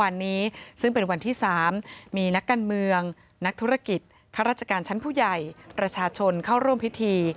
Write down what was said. ที่๓มีนักการเมืองนักธุรกิจข้าราชการชั้นผู้ใหญ่ประชาชนเข้าร่วมพิธี